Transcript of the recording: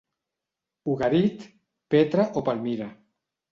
Ugarit, Petra o Palmira.